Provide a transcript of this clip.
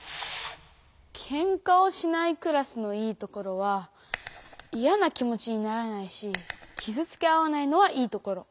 「ケンカをしないクラス」のいいところはいやな気持ちにならないしきずつけ合わないのはいいところ。